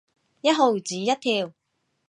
一毫子一條